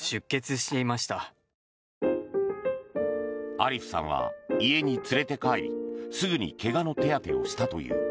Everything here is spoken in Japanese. アリフさんは家に連れて帰りすぐに怪我の手当てをしたという。